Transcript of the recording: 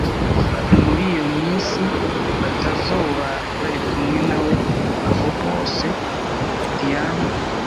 muriyo misi batazoba barikumwe nawe……aho hose Diane